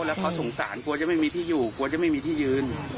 แล้วเขาสงสารกลัวจะไม่มีที่อยู่กลัวจะไม่มีที่ยืน